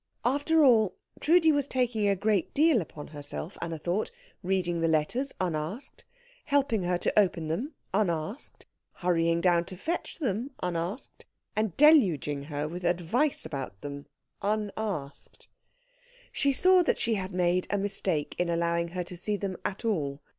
After all, Trudi was taking a great deal upon herself, Anna thought, reading the letters unasked, helping her to open them unasked, hurrying down to fetch them unasked, and deluging her with advice about them unasked. She saw she had made a mistake in allowing her to see them at all.